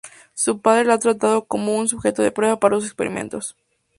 Su padre la ha tratado como un sujeto de prueba para sus experimentos.